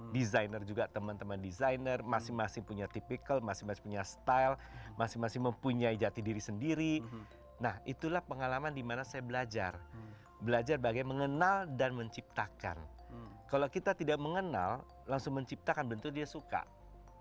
pengalaman dimana saya belajar belajar bagai mengenal dan menciptakan kalau kita tidak mengenal langsung menciptakan bentuk dia suka begitu lah sedikitnya kita mengenal dan menciptakan dia suka begitu lah sedikitnya kita mengenal dan menciptakan bentuk dia suka begitu saja jadi ya sama aku itu kan saya happy sudah biasa